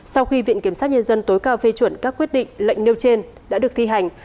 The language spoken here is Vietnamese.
sau khi viện kiểm sát nhân dân tối cao phê chuẩn các quyết định lệnh nêu trên đã được thi hành